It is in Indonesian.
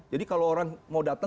jadi kalau orang mau datang